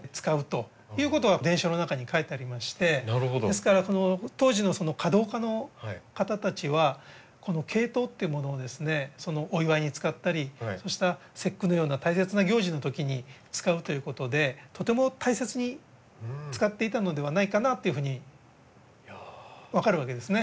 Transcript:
ですから当時の華道家の方たちはこのケイトウっていうものをお祝いに使ったりそうした節句のような大切な行事のときに使うということでとても大切に使っていたのではないかなというふうに分かるわけですね。